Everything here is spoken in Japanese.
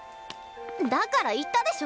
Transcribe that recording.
だから言ったでしょ！